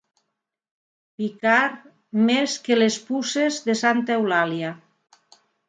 Picar més que les puces de santa Eulàlia.